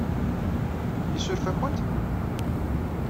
Isuref-akent?